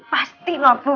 pasti lho puh